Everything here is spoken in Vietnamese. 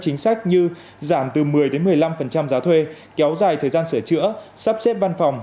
chính sách như giảm từ một mươi một mươi năm giá thuê kéo dài thời gian sửa chữa sắp xếp văn phòng